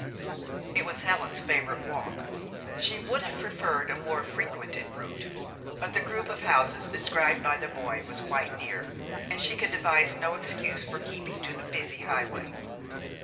It was Helen's favorite walk. She would have preferred a more frequented route; but the group of houses described by the boy was quite near, and she could devise no excuse for keeping to the busy highway.